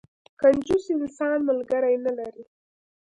کنجوس انسان، ملګری نه لري.